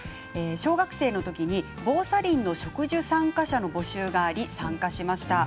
小学生の時に防砂林の植樹参加ツアーの募集があり参加しました。